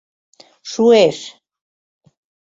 Шуэш...